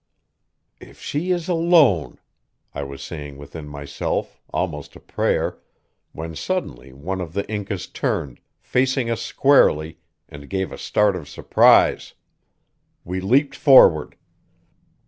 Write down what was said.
"If she is alone!" I was saying within myself, almost a prayer, when suddenly one of the Incas turned, facing us squarely, and gave a start of surprise. We leaped forward.